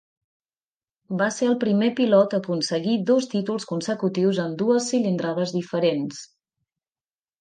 Va ser el primer pilot a aconseguir dos títols consecutius en dues cilindrades diferents.